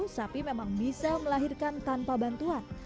sapi memang bisa melahirkan tanpa bantuan